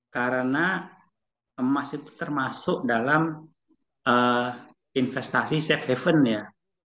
karena emas itu termasuk dalam investasi safe haven ya